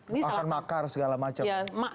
makan makar segala macam